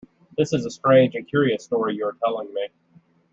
This is a strange and curious story you are telling me.